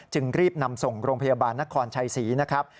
จึงรีบนำส่งโรงพยาบาลนครชัยศรีนะครับ